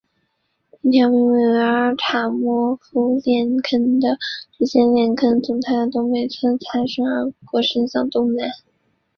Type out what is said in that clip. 一条被命名为阿尔塔莫诺夫链坑的直线链坑从它的东北侧擦身而过伸向东南。